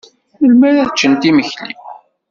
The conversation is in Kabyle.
Melmi ara ččent imekli?